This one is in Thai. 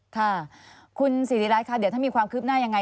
ค่ะคุณสิริรัตนค่ะเดี๋ยวถ้ามีความคืบหน้ายังไง